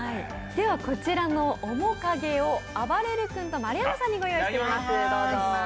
こちらのおもかげをあばれる君と丸山さんにご用意しています。